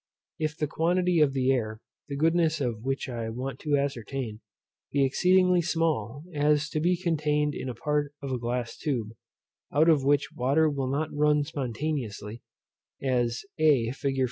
If the quantity of the air, the goodness of which I want to ascertain, be exceedingly small, so as to be contained in a part of a glass tube, out of which water will not run spontaneously, as a fig.